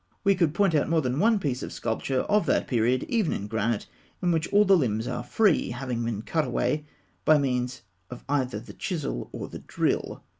We could point to more than one piece of sculpture of that period, even in granite, in which all the limbs are free, having been cut away by means of either the chisel or the drill.